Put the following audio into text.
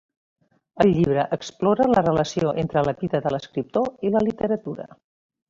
El llibre explora la relació entre la vida de l'escriptor i la literatura.